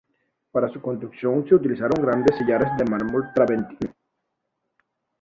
Para su construcción de utilizaron grandes sillares de mármol travertino.